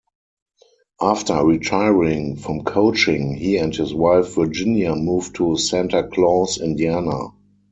After retiring from coaching he and his wife Virginia moved to Santa Claus, Indiana.